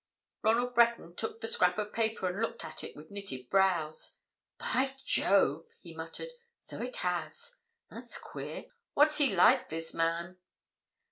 Ronald Breton took the scrap of paper and looked at it with knitted brows. "By Jove!" he muttered. "So it has; that's queer. What's he like, this man?"